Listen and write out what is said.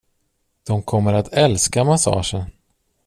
De kommer att älska massagen.